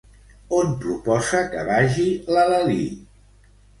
On proposa que vagi la Lalí?